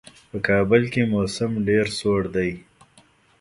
په کابل کې موسم ډېر سوړ دی.